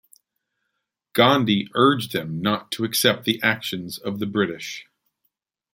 Gandhi urged them not to accept the actions of the British.